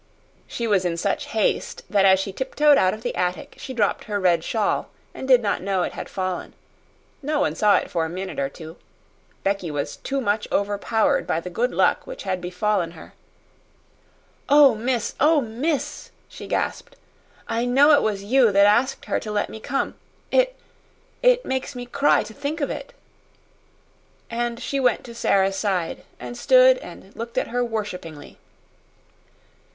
She was in such haste that as she tiptoed out of the attic she dropped her red shawl and did not know it had fallen. No one saw it for a minute or so. Becky was too much overpowered by the good luck which had befallen her. "Oh, miss! oh, miss!" she gasped; "I know it was you that asked her to let me come. It it makes me cry to think of it." And she went to Sara's side and stood and looked at her worshipingly.